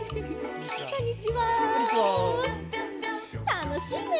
たのしいね！